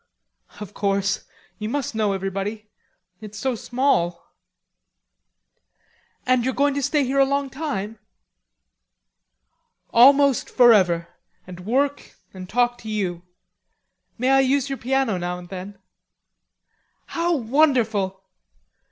"Of course. You must know everybody.... It's so small." "And you're going to stay here a long time?" "Almost forever, and work, and talk to you; may I use your piano now and then?" "How wonderful!"